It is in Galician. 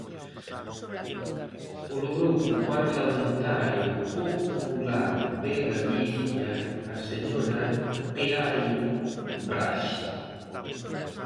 Polo Grupo Parlamentario Popular de Galicia, a señora Peai Braxe.